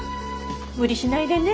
無理しないでね。